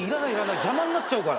邪魔になっちゃうから。